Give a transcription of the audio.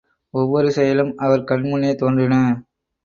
ஒவ்வொரு செயலும் அவர் கண் முன்னே தோன்றின.